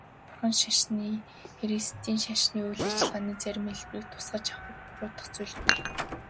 Бурханы шашин христийн шашны үйл ажиллагааны зарим хэлбэрийг тусгаж авахад буруудах зүйлгүй.